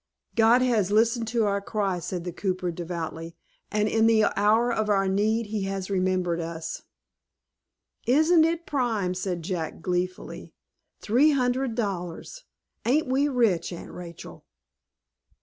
"God has listened to our cry," said the cooper, devoutly; "and, in the hour of our need, He has remembered us." "Isn't it prime?" said Jack, gleefully; "three hundred dollars! Ain't we rich, Aunt Rachel?"